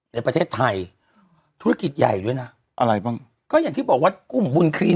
ในประเทศไทยธุรกิจใหญ่ด้วยนะอะไรบ้างก็อย่างที่บอกว่ากลุ่มบุญครีม